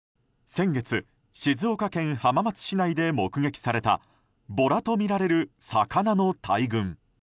先月静岡県浜松市内で目撃されたボラとみられる魚の大群。